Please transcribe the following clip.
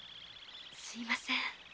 すみません。